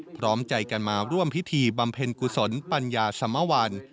พร้อมใจกันมาร่วมพิธีบำเพ็ญกุศลปัญญาสมวัล